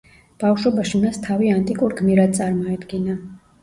ბავშვობაში მას თავი ანტიკურ გმირად წარმოედგინა.